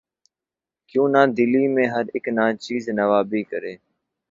کیوں نہ دلی میں ہر اک ناچیز نوّابی کرے